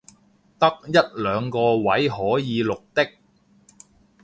得一兩個位可以綠的